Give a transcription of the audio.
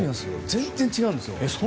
全然違うんですよ。